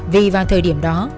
vì vào thời điểm đó